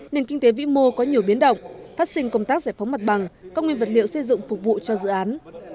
nền kinh tế vĩ mô có nhiều biến động phát sinh công tác giải phóng mặt bằng các nguyên vật liệu xây dựng phục vụ cho dự án